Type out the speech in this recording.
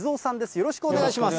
よろしくお願いします。